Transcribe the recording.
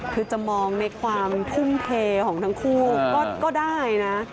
คือจะมองในความทุ่มเทของทั้งคู่ก็ได้นะ